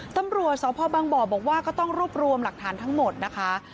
ตำรวจสพบังบ่อบอกว่าก็ต้องรวบรวมหลักฐานทั้งหมดนะคะ